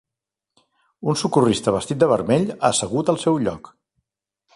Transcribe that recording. Un socorrista vestit de vermell assegut al seu lloc.